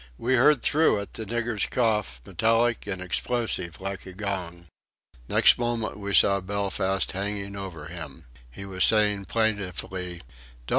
We heard through it the nigger's cough, metallic and explosive like a gong. Next moment we saw Belfast hanging over him. He was saying plaintively: "Don't!